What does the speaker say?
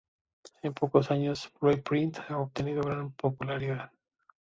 En pocos años, Blueprint ha obtenido gran popularidad.